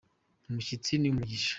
Umushyitsi ni umugisha.